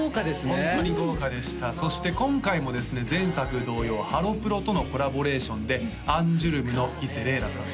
ホントに豪華でしたそして今回もですね前作同様ハロプロとのコラボレーションでアンジュルムの伊勢鈴蘭さん